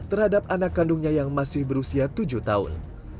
terhadap anak kandungnya yang masih berusia tujuh tahun